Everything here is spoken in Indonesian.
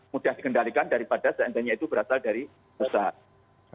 mudah dikendalikan daripada seandainya itu berasal dari usaha